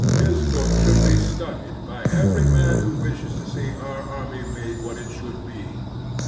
His book should be studied by every man who wishes to see our army made what it should be.